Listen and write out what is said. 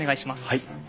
はい。